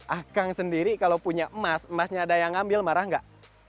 ah kang sendiri kalau punya emas emasnya ada yang mengambil marah tidak